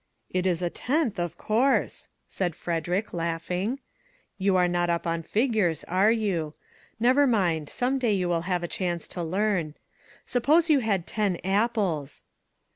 "" It is a tenth, of course !" said Frederick, laughing. " You are not up on figures, are you? Never mind, some day you will have a chance to learn. Suppose you had ten apples."